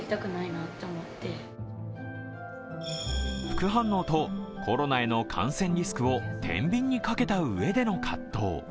副反応とコロナへの感染リスクをてんびんにかけたうえでの葛藤。